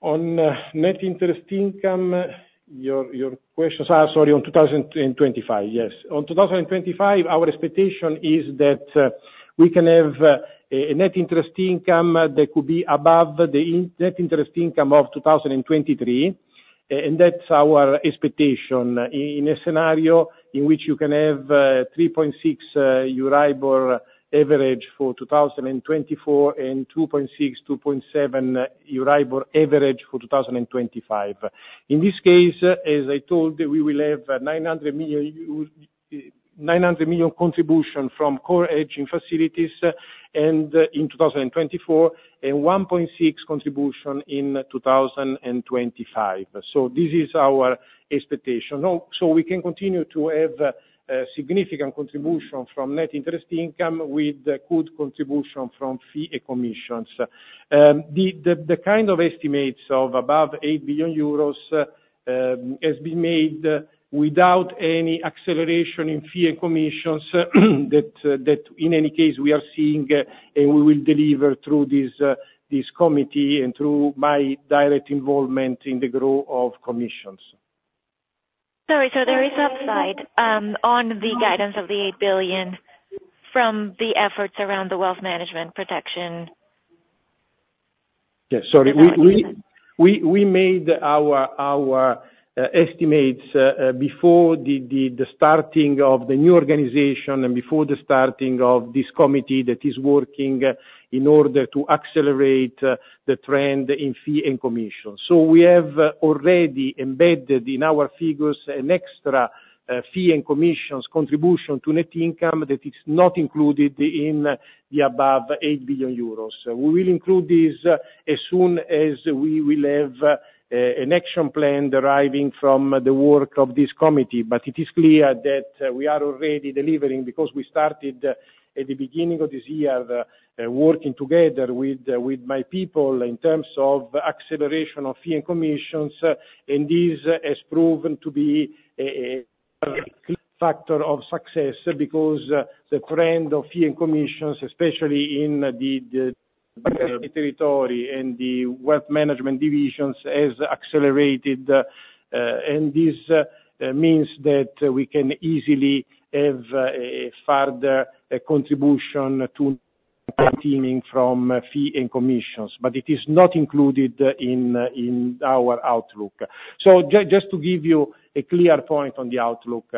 [SPEAKER 4] On net interest income, your questions, sorry, on 2025, yes. On 2025, our expectation is that we can have a net interest income that could be above the net interest income of 2023, and that's our expectation in a scenario in which you can have 3.6 Euribor average for 2024 and 2.6-2.7 Euribor average for 2025. In this case, as I told, we will have 900 million contribution from core edging facilities in 2024 and 1.6 billion contribution in 2025. So, this is our expectation. So, we can continue to have significant contribution from net interest income with good contribution from fees and commissions. The kind of estimates of above 8 billion euros has been made without any acceleration in fee and commissions that in any case we are seeing and we will deliver through this committee and through my direct involvement in the growth of commissions.
[SPEAKER 8] Sorry. So, there is upside on the guidance of 8 billion from the efforts around the wealth management protection.
[SPEAKER 4] Yes. Sorry. We made our estimates before the starting of the new organization and before the starting of this committee that is working in order to accelerate the trend in fee and commissions. So, we have already embedded in our figures an extra fee and commissions contribution to net income that is not included in the above 8 billion euros. We will include this as soon as we will have an action plan deriving from the work of this committee. But it is clear that we are already delivering because we started at the beginning of this year, working together with my people in terms of acceleration of fees and commissions, and this has proven to be a clear factor of success because the trend of fees and commissions, especially in the territory and the wealth management divisions, has accelerated. And this means that we can easily have further contribution to timing from fees and commissions. But it is not included in our outlook. So, just to give you a clear point on the outlook,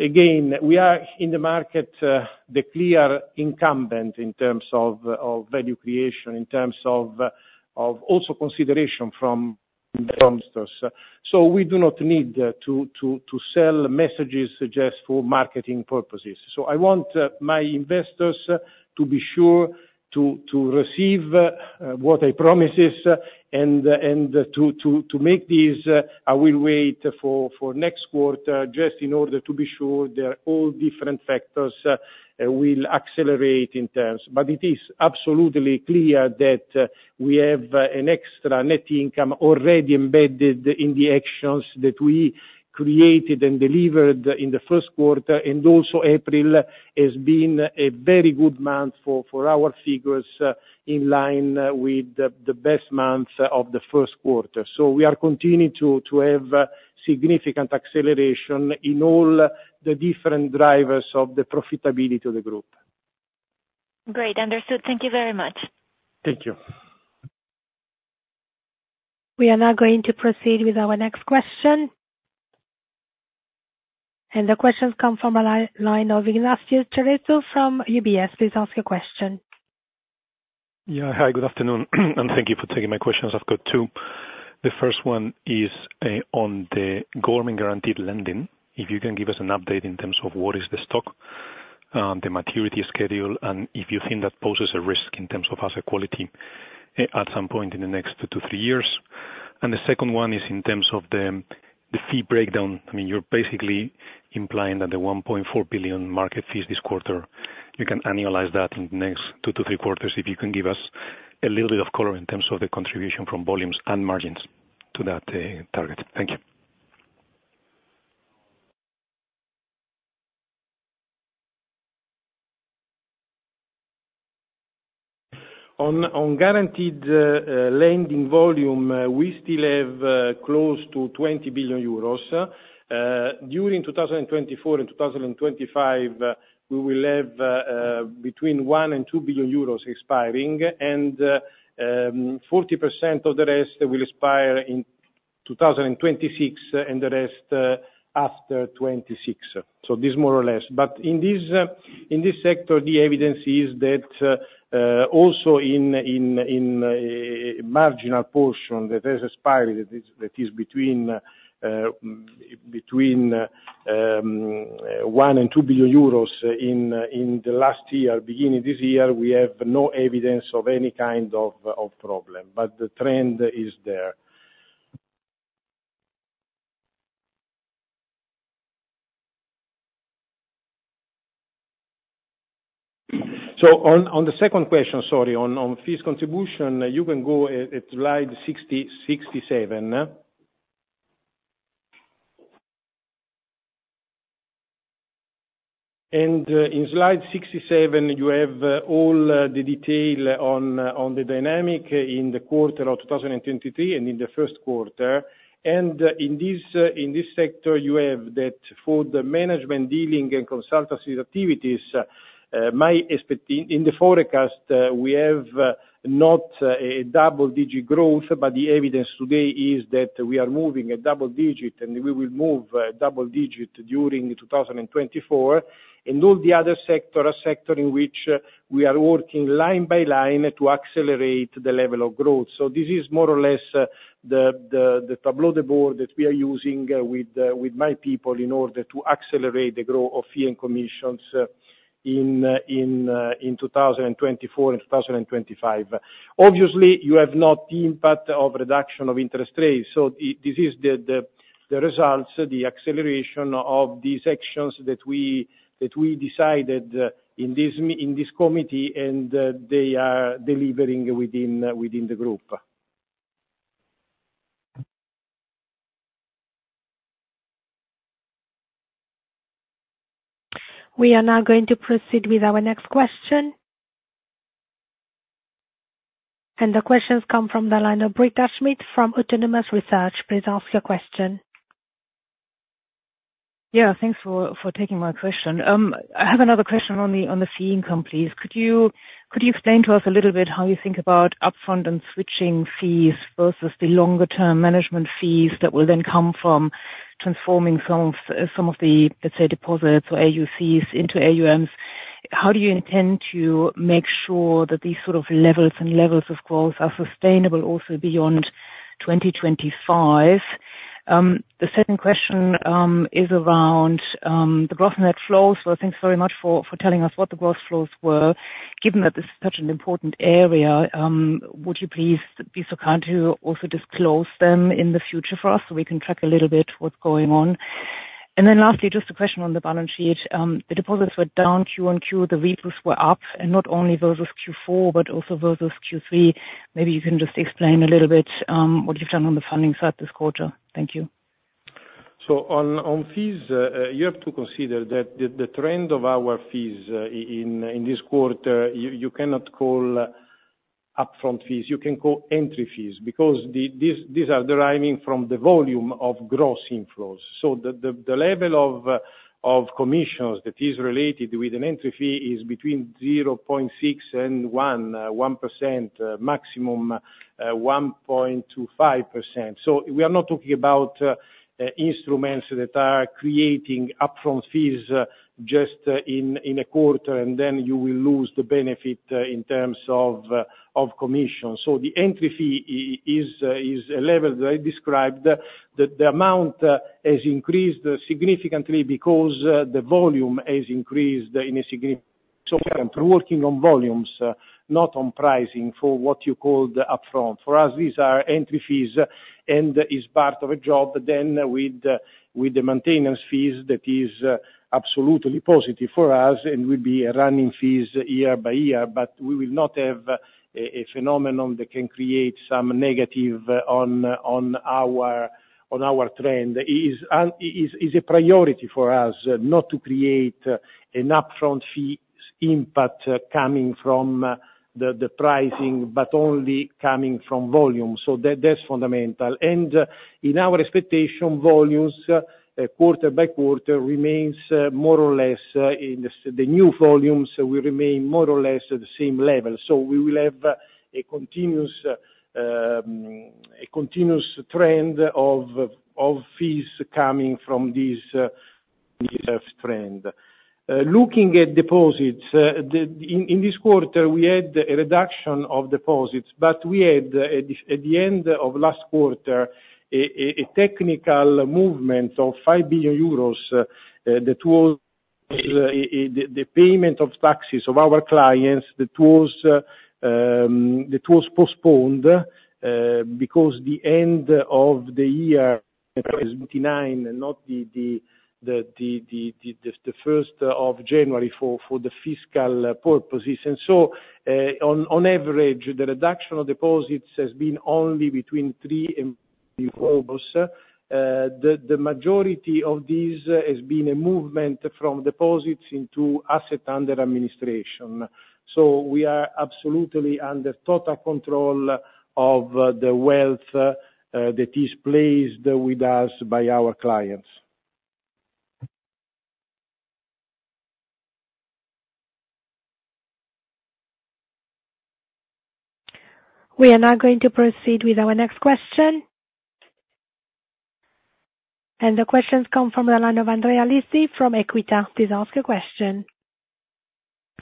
[SPEAKER 4] again, we are in the market, the clear incumbent in terms of value creation, in terms of also consideration from investors. So, we do not need to sell messages just for marketing purposes. So, I want my investors to be sure to receive what I promise and to make this, I will wait for next quarter just in order to be sure there are all different factors will accelerate in terms. But it is absolutely clear that we have an extra net income already embedded in the actions that we created and delivered in the first quarter, and also April has been a very good month for our figures in line with the best month of the first quarter. So, we are continuing to have significant acceleration in all the different drivers of the profitability of the group.
[SPEAKER 8] Great. Understood. Thank you very much.
[SPEAKER 4] Thank you.
[SPEAKER 1] We are now going to proceed with our next question. And the questions come from a line of Ignacio Cerezo from UBS. Please ask your question.
[SPEAKER 9] Yeah. Hi. Good afternoon. And thank you for taking my questions. I've got two. The first one is on the Government Guaranteed Lending, if you can give us an update in terms of what is the stock, the maturity schedule, and if you think that poses a risk in terms of asset quality at some point in the next two to three years. And the second one is in terms of the fee breakdown. I mean, you're basically implying that the 1.4 billion market fees this quarter, you can annualize that in the next two to three quarters if you can give us a little bit of color in terms of the contribution from volumes and margins to that target. Thank you.
[SPEAKER 4] On guaranteed lending volume, we still have close to 20 billion euros. During 2024 and 2025, we will have between 1 billion and 2 billion euros expiring, and 40% of the rest will expire in 2026 and the rest after 2026. So, this more or less. But in this sector, the evidence is that also in the marginal portion that has expired, that is between 1 billion and 2 billion euros in the last year beginning this year, we have no evidence of any kind of problem. But the trend is there. So, on the second question, sorry, on fees contribution, you can go at Slide 67. And in Slide 67, you have all the detail on the dynamic in the quarter of 2023 and in the first quarter. In this sector, you have that for the management, dealing, and consultancy activities, my expectation in the forecast, we have not a double-digit growth, but the evidence today is that we are moving a double-digit, and we will move a double-digit during 2024. And all the other sectors are sectors in which we are working line by line to accelerate the level of growth. So, this is more or less the tableau de bord that we are using with my people in order to accelerate the growth of fees and commissions in 2024 and 2025. Obviously, you have not the impact of reduction of interest rates. So, this is the results, the acceleration of these actions that we decided in this committee, and they are delivering within the group.
[SPEAKER 1] We are now going to proceed with our next question. The questions come from the line of Britta Schmidt from Autonomous Research. Please ask your question.
[SPEAKER 10] Yeah. Thanks for taking my question. I have another question on the fee income, please. Could you explain to us a little bit how you think about upfront and switching fees versus the longer-term management fees that will then come from transforming some of the, let's say, deposits or AuAs into AuMs? How do you intend to make sure that these sort of levels of growth are sustainable also beyond 2025? The second question is around the gross net flows. So, thanks very much for telling us what the gross flows were. Given that this is such an important area, would you please be so kind to also disclose them in the future for us so we can track a little bit what's going on? And then lastly, just a question on the balance sheet. The deposits were down Q-on-Q. The repos were up, and not only versus Q4 but also versus Q3. Maybe you can just explain a little bit what you've done on the funding side this quarter. Thank you.
[SPEAKER 4] So, on fees, you have to consider that the trend of our fees in this quarter, you cannot call upfront fees. You can call entry fees because these are deriving from the volume of gross inflows. So, the level of commissions that is related with an entry fee is between 0.6% and 1%, 1% maximum, 1.25%. So, we are not talking about instruments that are creating upfront fees just in a quarter, and then you will lose the benefit in terms of commissions. So, the entry fee is a level that I described. The amount has increased significantly because the volume has increased in a significant way. So, we are working on volumes, not on pricing for what you called upfront. For us, these are entry fees, and it's part of a job, then with the maintenance fees that is absolutely positive for us and will be running fees year by year. But we will not have a phenomenon that can create some negative on our trend. It is a priority for us not to create an upfront fee impact coming from the pricing, but only coming from volume. So, that's fundamental. In our expectation, volumes quarter-by-quarter remains more or less in the new volumes, we remain more or less at the same level. So, we will have a continuous trend of fees coming from this trend. Looking at deposits, in this quarter, we had a reduction of deposits, but we had at the end of last quarter, a technical movement of 5 billion euros that was the payment of taxes of our clients that was postponed because the end of the year 2029, not the 1st of January for the fiscal purposes. And so, on average, the reduction of deposits has been only between 3 billion and 4 billion. The majority of this has been a movement from deposits into assets under administration. We are absolutely under total control of the wealth that is placed with us by our clients.
[SPEAKER 1] We are now going to proceed with our next question. The questions come from the line of Andrea Lisi from Equita. Please ask your question.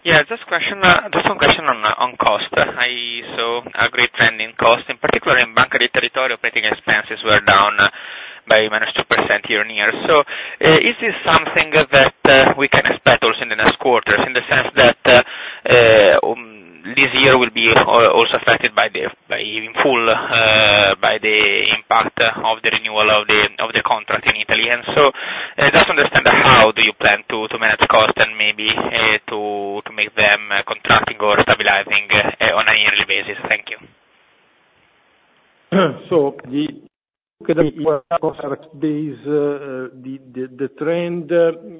[SPEAKER 11] Yeah. Just one question on cost. I saw a great trend in cost, in particular in Banca dei Territori, operating expenses were down by -2% year-on-year. So, is this something that we can expect also in the next quarters in the sense that this year will be also affected by the by in full by the impact of the renewal of the contract in Italy? And so, just to understand, how do you plan to manage cost and maybe to make them contracting or stabilizing on a yearly basis? Thank you.
[SPEAKER 4] So, looking at the quarter-based, the trend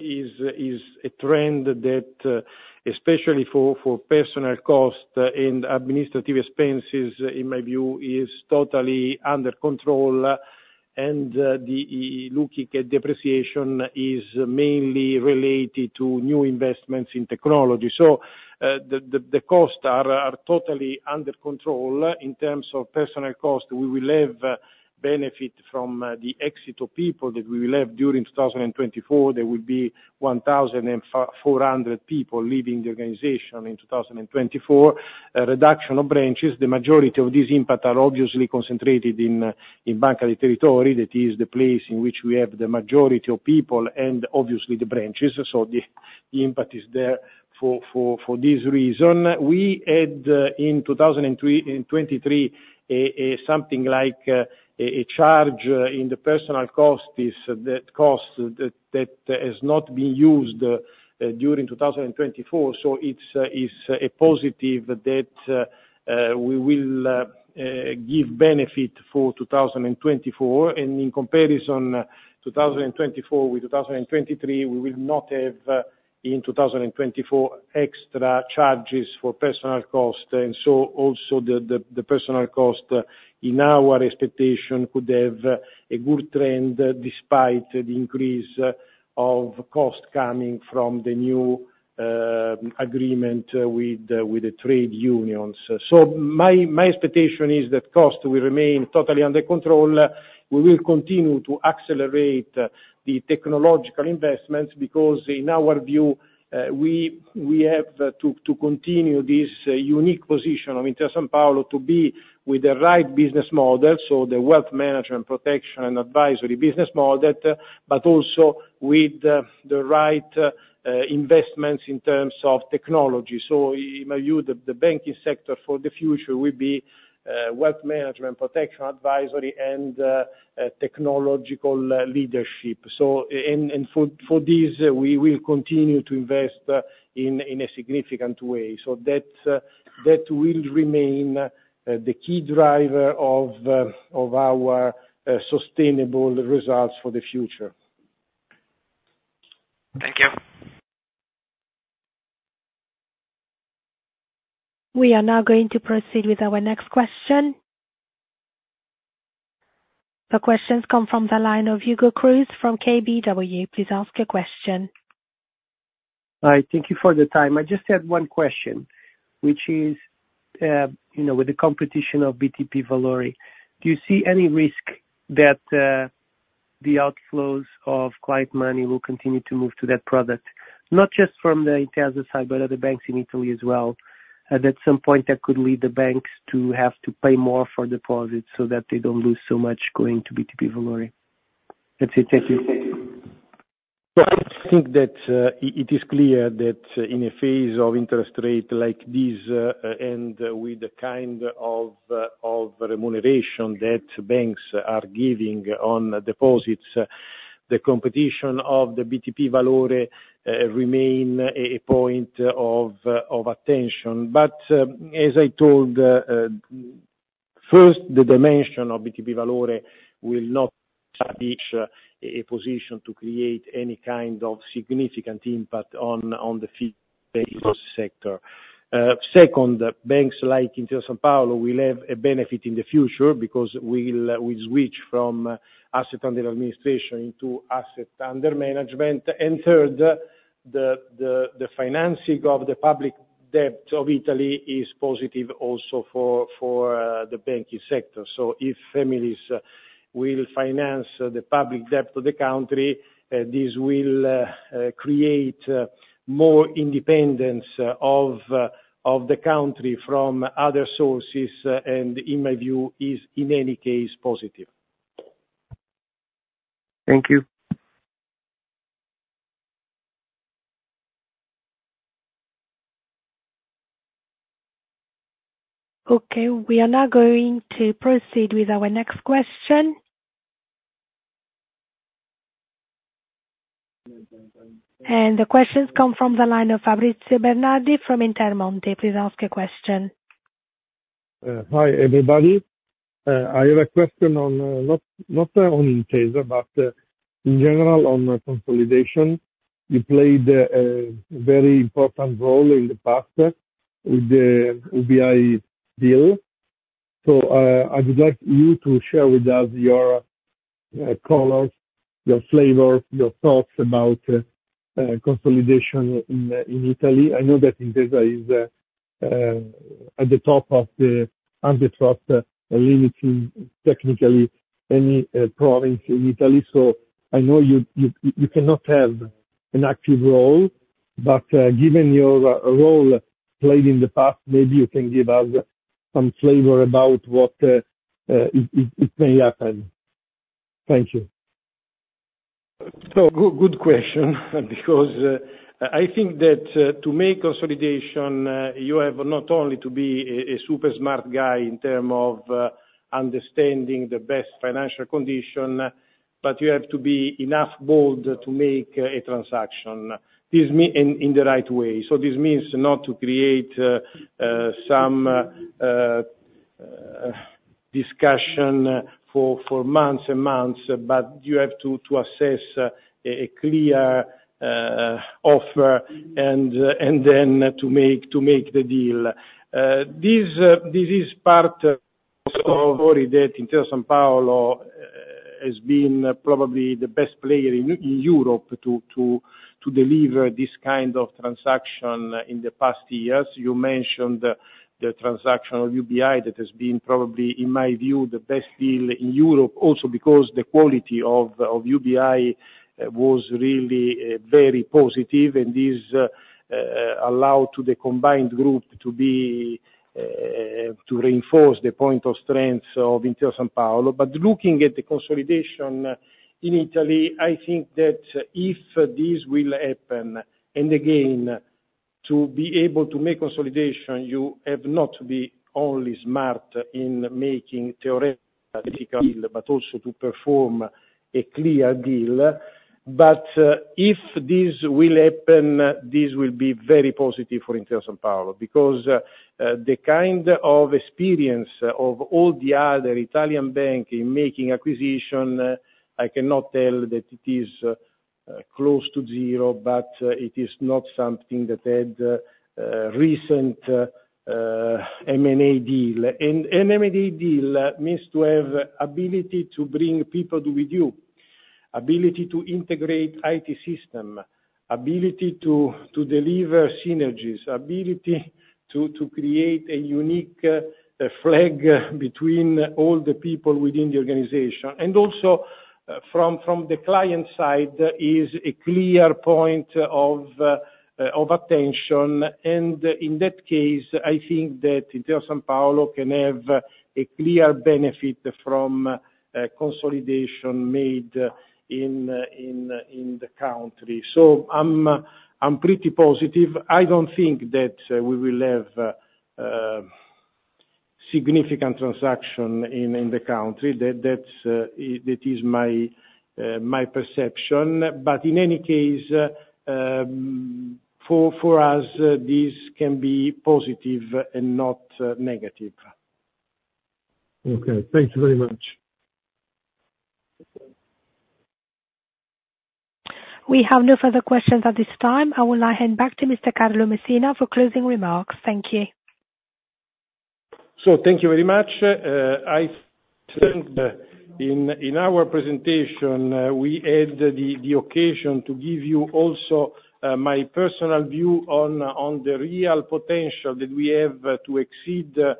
[SPEAKER 4] is a trend that especially for personnel costs and administrative expenses, in my view, is totally under control. And looking at depreciation is mainly related to new investments in technology. So, the costs are totally under control. In terms of personnel costs, we will have benefit from the exit of people that we will have during 2024. There will be 1,400 people leaving the organization in 2024. Reduction of branches, the majority of this impact is obviously concentrated in Banca dei Territori, that is the place in which we have the majority of people and obviously the branches. So, the impact is there for this reason. We had in 2023 something like a charge in the personnel costs, that cost that has not been used during 2024. So, it's a positive that we will give benefit for 2024. And in comparison, 2024 with 2023, we will not have in 2024 extra charges for personnel cost. And so, also, the personnel cost, in our expectation, could have a good trend despite the increase of cost coming from the new agreement with the trade unions. So, my expectation is that cost will remain totally under control. We will continue to accelerate the technological investments because, in our view, we have to continue this unique position of Intesa Sanpaolo to be with the right business model, so the wealth management, protection, and advisory business model, but also with the right investments in terms of technology. So, in my view, the banking sector for the future will be wealth management, protection, advisory, and technological leadership. So, for this, we will continue to invest in a significant way. So, that will remain the key driver of our sustainable results for the future.
[SPEAKER 11] Thank you.
[SPEAKER 1] We are now going to proceed with our next question. The questions come from the line of Hugo Cruz from KBW. Please ask your question.
[SPEAKER 12] Hi. Thank you for the time. I just had one question, which is, you know, with the competition of BTP Valore, do you see any risk that the outflows of client money will continue to move to that product, not just from the Intesa side, but other banks in Italy as well, that at some point that could lead the banks to have to pay more for deposits so that they don't lose so much going to BTP Valore? That's it. Thank you. Thank you.
[SPEAKER 4] Well, I think that it is clear that in a phase of interest rate like this and with the kind of remuneration that banks are giving on deposits, the competition of the BTP Valore remains a point of attention. But as I told, first, the dimension of BTP Valore will not be in a position to create any kind of significant impact on the fee-based sector. Second, banks like Intesa Sanpaolo will have a benefit in the future because we will switch from asset under administration into asset under management. And third, the financing of the public debt of Italy is positive also for the banking sector. So, if families will finance the public debt of the country, this will create more independence of the country from other sources, and in my view, is in any case positive.
[SPEAKER 12] Thank you.
[SPEAKER 1] Okay. We are now going to proceed with our next question. The questions come from the line of Fabrizio Bernardi from Intermonte. Please ask your question.
[SPEAKER 13] Hi, everybody. I have a question on not on Intesa, but in general on consolidation. You played a very important role in the past with the UBI deal. So, I would like you to share with us your colors, your flavors, your thoughts about consolidation in Italy. I know that Intesa is at the top of the antitrust and limiting technically any province in Italy. So, I know you cannot have an active role, but given your role played in the past, maybe you can give us some flavor about what may happen. Thank you.
[SPEAKER 4] So, good question because I think that to make consolidation, you have not only to be a super smart guy in terms of understanding the best financial condition, but you have to be enough bold to make a transaction in the right way. So, this means not to create some discussion for months and months, but you have to assess a clear offer and then to make the deal. This is part of the story that Intesa Sanpaolo has been probably the best player in Europe to deliver this kind of transaction in the past years. You mentioned the transaction of UBI that has been probably, in my view, the best deal in Europe also because the quality of UBI was really very positive, and this allowed to the combined group to reinforce the point of strength of Intesa Sanpaolo. But looking at the consolidation in Italy, I think that if this will happen and, again, to be able to make consolidation, you have not to be only smart in making theoretical deal, but also to perform a clear deal. But if this will happen, this will be very positive for Intesa Sanpaolo because the kind of experience of all the other Italian banks in making acquisition, I cannot tell that it is close to zero, but it is not something that had a recent M&A deal. And an M&A deal means to have ability to bring people with you, ability to integrate IT systems, ability to deliver synergies, ability to create a unique flag between all the people within the organization. And also, from the client side, is a clear point of attention. In that case, I think that Intesa Sanpaolo can have a clear benefit from consolidation made in the country. So, I'm pretty positive. I don't think that we will have significant transaction in the country. That's my perception. But in any case, for us, this can be positive and not negative.
[SPEAKER 13] Okay. Thank you very much.
[SPEAKER 1] We have no further questions at this time. I will now hand back to Mr. Carlo Messina for closing remarks. Thank you.
[SPEAKER 2] So, thank you very much. I think that in our presentation, we had the occasion to give you also my personal view on the real potential that we have to exceed the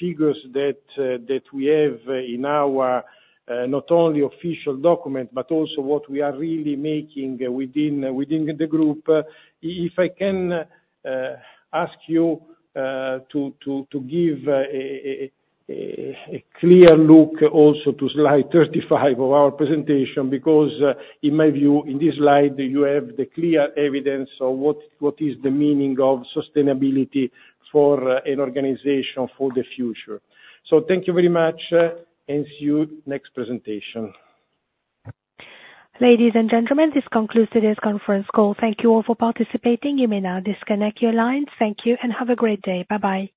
[SPEAKER 2] figures that we have in our not only official document, but also what we are really making within the group. If I can ask you to give a clear look also to Slide 35 of our presentation because, in my view, in this slide, you have the clear evidence of what is the meaning of sustainability for an organization for the future. So, thank you very much, and see you next presentation.
[SPEAKER 1] Ladies and gentlemen, this concludes today's conference call. Thank you all for participating. You may now disconnect your lines. Thank you and have a great day. Bye-bye.